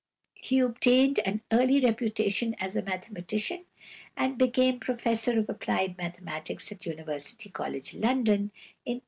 He obtained an early reputation as a mathematician and became professor of applied mathematics in University College, London, in 1871.